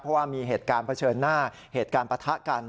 เพราะว่ามีเหตุการณ์เผชิญหน้าเหตุการณ์ปะทะกัน